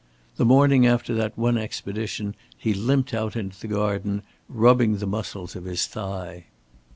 The morning after that one expedition, he limped out into the garden, rubbing the muscles of his thigh.